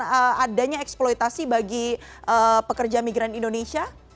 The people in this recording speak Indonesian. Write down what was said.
memberi celah akan adanya eksploitasi bagi pekerja migran indonesia